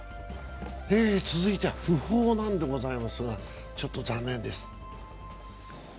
続いては訃報なんでございますが、ちょっと残念です。